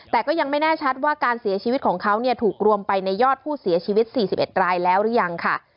แต่ก็ยังไม่แน่ชัดว่าการเสียชีวิตของเขาถูกรวมไปในยอดผู้เสียชีวิต๔๑รายแล้วหรือยังค่ะ